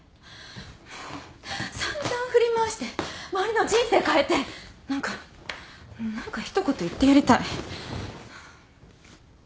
もう散々振り回して周りの人生変えて何か何か一言言ってやりたい。